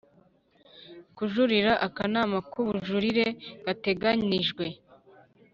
kujuririra Akanama k ubujurire gateganijwe